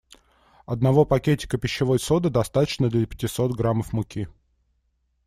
Одного пакетика пищевой соды достаточно для пятисот граммов муки.